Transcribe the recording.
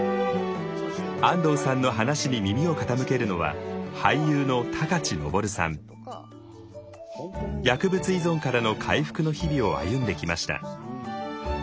安藤さんの話に耳を傾けるのは薬物依存からの回復の日々を歩んできました。